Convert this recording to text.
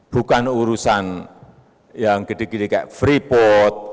bukan urusan yang gede gede kayak free pot